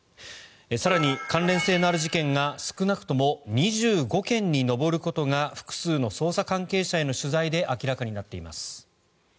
更に、関連性のある事件が少なくとも２５件に上ることが複数の捜査関係者への取材で明らかになっています。